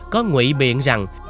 có ngụy biện rằng